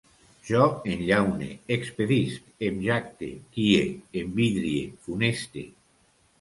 Jo enllaune, expedisc, em jacte, guie, envidrie, funeste